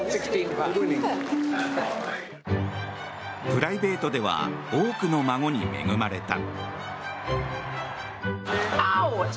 プライベートでは多くの孫に恵まれた。